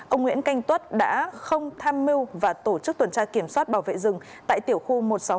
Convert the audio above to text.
ông nguyễn canh tuất đã không tham mưu và tổ chức tuần tra kiểm soát bảo vệ rừng tại tiểu khu một trăm sáu mươi ba